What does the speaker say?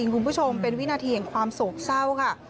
คุณผู้ชมเป็นวินาทีแห่งความโศกเศร้าค่ะ